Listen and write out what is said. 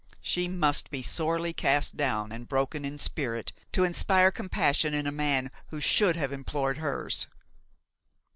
She must be sorely cast down and broken in spirit to inspire compassion in a man who should have implored hers!